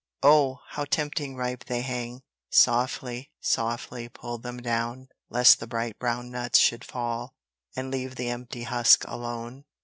Oh! how tempting ripe they hang: Softly, softly pull them down, Lest the bright brown nuts should fall, And leave the empty husk alone.